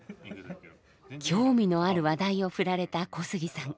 興味のある話題をふられた小杉さん。